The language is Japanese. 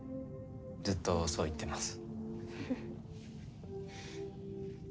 ずっとそう言ってます。